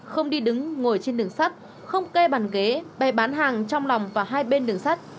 không đi đứng ngồi trên đường sắt không kê bàn ghế bè bán hàng trong lòng và hai bên đường sắt